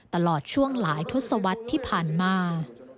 ตลอดช่วงหลายทศวรรษที่ผ่านมา